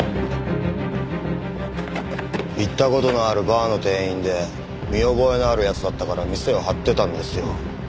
行った事のあるバーの店員で見覚えのある奴だったから店を張ってたんですよ。